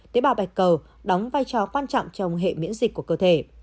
tế bào bạch cầu đóng vai trò quan trọng trong hệ miễn dịch của cơ thể